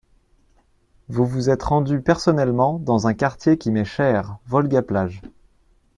Vous vous êtes rendu personnellement dans un quartier qui m’est cher, Volga-Plage.